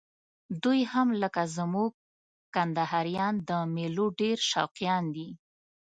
دوی هم لکه زموږ کندهاریان د میلو ډېر شوقیان دي.